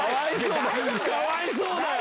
かわいそうだよ！